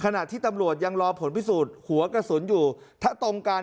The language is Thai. ขณะที่ตำรวจยังรอผลพิสูจน์หัวกระสุนอยู่ถ้าตรงกัน